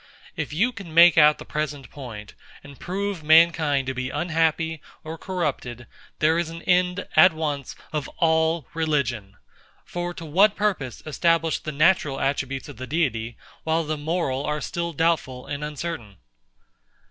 If you can make out the present point, and prove mankind to be unhappy or corrupted, there is an end at once of all religion. For to what purpose establish the natural attributes of the Deity, while the moral are still doubtful and uncertain?